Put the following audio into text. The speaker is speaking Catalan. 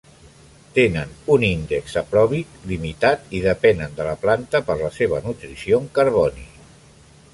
Tenen un índex sapròbic limitat i depenen de la planta per la seva nutrició en carboni.